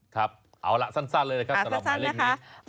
ครับเอาล่ะสั้นเลยนะครับสำหรับหมายเลขนี้